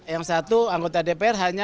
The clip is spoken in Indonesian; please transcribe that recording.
yang satu anggota dpr hanya